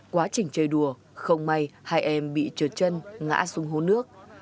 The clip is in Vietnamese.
quá trình chơi đùa không may hai em bị trượt chân ngã xuống hố nước